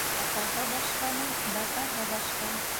Атаһы башҡаның батаһы башҡа.